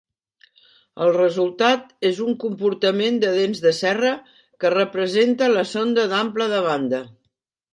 El resultat és un comportament de dents de serra que representa la sonda d'ample de banda.